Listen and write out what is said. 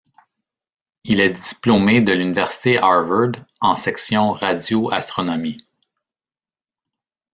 Il est diplômé de l'université Harvard en section radioastronomie.